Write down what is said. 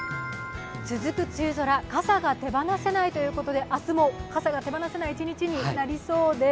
続く梅雨空傘が手放せないということで明日も傘が手放せない一日になりそうです。